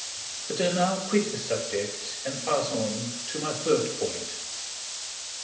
But I now quit this subject, and pass on to my third point.